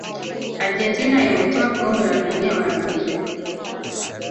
argentina imetwaa kombe la dunia mara mbili